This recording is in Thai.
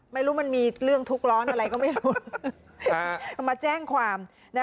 ไม่รู้มันมีเรื่องทุกข์ร้อนอะไรก็ไม่รู้มาแจ้งความ